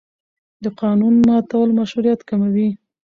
د قانون ماتول مشروعیت کموي